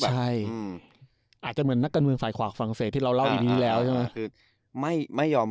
ใช่อาจจะเหมือนนักการเมืองสายขวากฝรั่งเศสที่เราเล่าอย่างนี้แล้วใช่ไหม